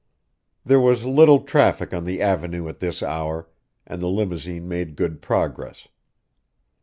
There was little traffic on the Avenue at this hour, and the limousine made good progress.